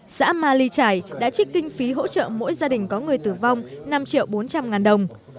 xã ma ly trải đã trích kinh phí hỗ trợ mỗi gia đình có người tử vong năm triệu bốn trăm linh ngàn đồng